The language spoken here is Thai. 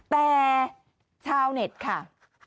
แต่ชาวเน็ตค่ะ